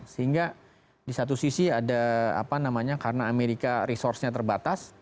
sehingga di satu sisi ada apa namanya karena amerika resource nya terbatas